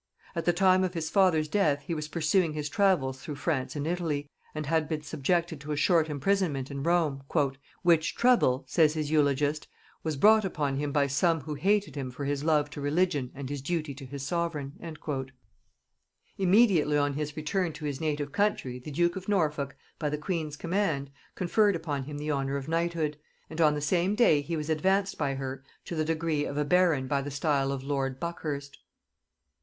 At the time of his father's death he was pursuing his travels through France and Italy, and had been subjected to a short imprisonment in Rome, "which trouble," says his eulogist, "was brought upon him by some who hated him for his love to religion and his duty to his sovereign." Immediately on his return to his native country the duke of Norfolk, by the queen's command, conferred upon him the honor of knighthood, and on the same day he was advanced by her to the degree of a baron by the style of lord Buckhurst.